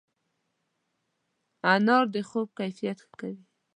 انار د خوب کیفیت ښه کوي.